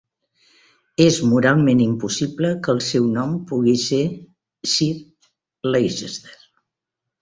És moralment impossible que el seu nom pugui ser Sir Leicester.